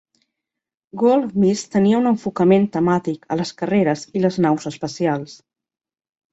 Goldsmith tenia un enfocament temàtic a les carreres i les naus espacials.